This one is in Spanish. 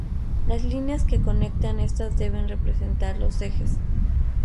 Las líneas que conectan estas deben representar los ejes.